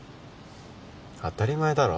当たり前だろ。